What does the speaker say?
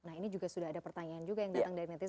nah ini juga sudah ada pertanyaan juga yang datang dari netizen